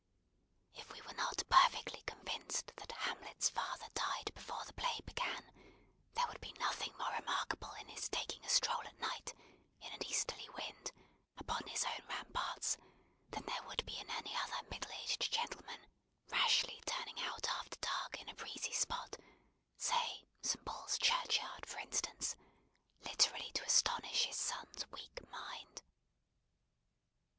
If we were not perfectly convinced that Hamlet's Father died before the play began, there would be nothing more remarkable in his taking a stroll at night, in an easterly wind, upon his own ramparts, than there would be in any other middle aged gentleman rashly turning out after dark in a breezy spot say Saint Paul's Churchyard for instance literally to astonish his son's weak mind.